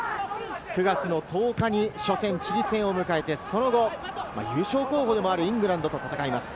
９月の１０日に初戦・チリ戦を迎えて、その後、優勝候補でもあるイングランドと戦います。